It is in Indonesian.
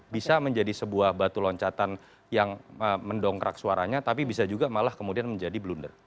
bisa menjadi sebuah batu loncatan yang mendongkrak suaranya tapi bisa juga malah kemudian menjadi blunder